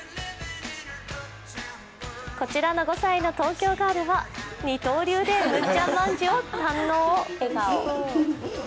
こちらの５歳の東京ガールは二刀流でむっちゃん万十を堪能。